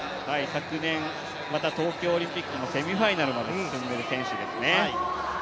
昨年、また東京オリンピックのセミファイナルまで進んでいる選手ですね。